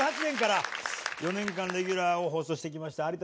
２０１８年から４年間レギュラーを放送してきました